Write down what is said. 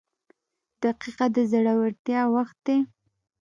• دقیقه د زړورتیا وخت دی.